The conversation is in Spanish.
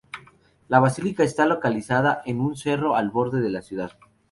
La basílica está localizada en un cerro al borde de la ciudad.